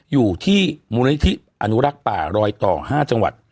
อยู่ที่มูลนิทธิปฏิบัตรรอยต่อห้าจังหวัด